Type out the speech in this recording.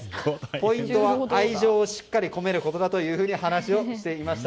ポイントは、愛情をしっかり込めることだと話していました。